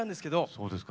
そうですか？